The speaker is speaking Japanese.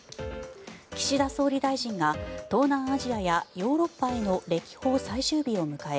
岸田総理大臣が東南アジアやヨーロッパへの歴訪最終日を迎え